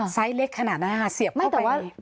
ไซส์เล็กขนาดนั้นค่ะเสียบเข้าไป